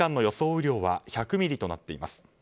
雨量は１００ミリとなっています。